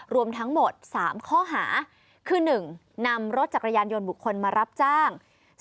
รวมทั้งหมด๓ข้อหาคือ๑นำรถจักรยานยนต์บุคคลมารับจ้าง